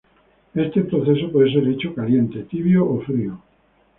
Este proceso puede ser hecho caliente, tibio o frío.